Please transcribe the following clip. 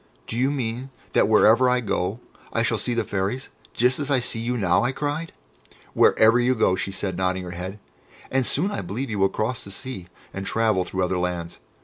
"Do you mean that wherever I go I shall see the Fairies, just as I see you now?" I cried. "Wherever you go!" she said, nodding her head, "and soon I believe you will cross the sea and travel through other lands.